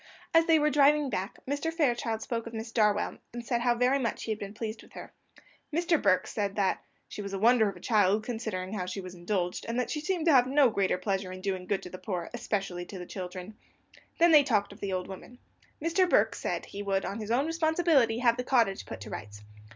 As they were driving back, Mr. Fairchild spoke of Miss Darwell, and said how very much he had been pleased with her. Mr. Burke said that "she was a wonder of a child, considering how she was indulged, and that she seemed to have no greater pleasure than in doing good to the poor, especially to the children." They then talked of the old woman. Mr. Burke said he would, on his own responsibility, have the cottage put to rights.